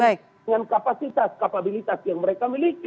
dengan kapasitas kapabilitas yang mereka miliki